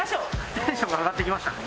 テンション上がってきましたね。